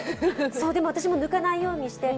でも私も抜かないようにして。